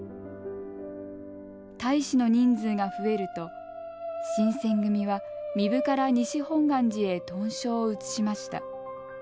隊士の人数が増えると新選組は壬生から西本願寺へ屯所を移しました。